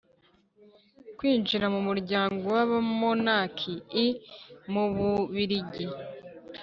kwinjira mu muryango w’abamonaki i mu bubiligi